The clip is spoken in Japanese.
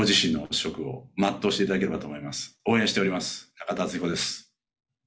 中田敦彦です。